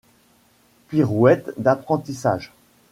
Pirouette d'apprentissage.